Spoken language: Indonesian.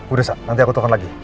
udah sa nanti aku tukeran lagi